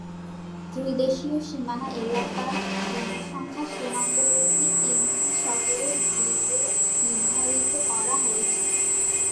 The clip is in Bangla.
ত্রিদেশীয় সীমানা এলাকার জনসংখ্যা সীমান্তবর্তী তিনটি শহরকে ঘিরে নির্ধারণ করা হয়েছে।